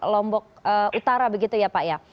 lombok utara begitu ya pak ya